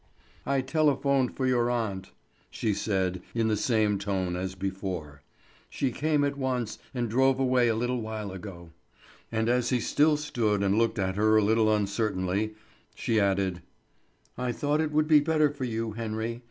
"I telephoned for your aunt," she said in the same tone as before. "She came at once, and drove away a little while ago." And as he still stood and looked at her a little uncertainly, she added, "I thought it would be better for you, Henry.